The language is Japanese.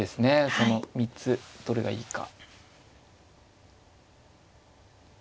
その３つどれがいいか。